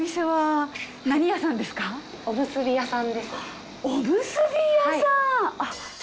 おむすび屋さん！